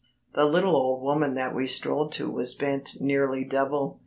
The little old woman that we strolled to was bent nearly double.